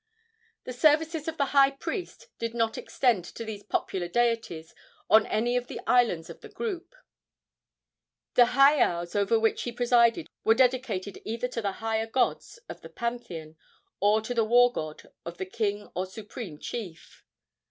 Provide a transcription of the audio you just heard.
The services of the high priest did not extend to these popular deities on any of the islands of the group. The heiaus over which he presided were dedicated either to the higher gods of the pantheon or to the war god of the king or supreme chief.